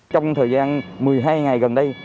trong thời gian một mươi hai ngày gần đây